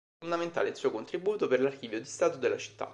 Fondamentale il suo contributo per l'Archivio di stato della città.